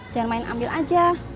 jangan main ambil aja